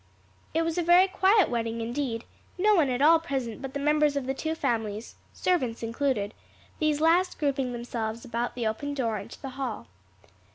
It was a very quiet wedding indeed, no one at all present but the members of the two families, servants included these last grouping themselves about the open door into the hall.